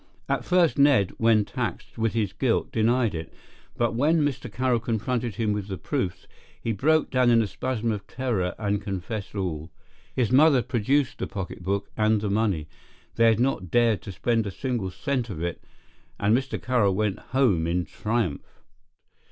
At first Ned, when taxed with his guilt, denied it, but when Mr. Carroll confronted him with the proofs, he broke down in a spasm of terror and confessed all. His mother produced the pocketbook and the money—they had not dared to spend a single cent of it—and Mr. Carroll went home in triumph.